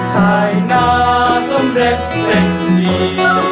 ขายนาสำเร็จเจ็บดี